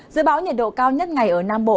dưới bão nhiệt độ cao nhất ngày ở nam bộ